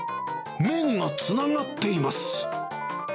麺がつながっています。